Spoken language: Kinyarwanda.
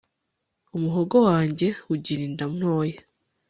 Umuhogo wanjye ugira inda ntoya